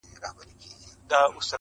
راسه ماښامیاره نن یو څه شراب زاړه لرم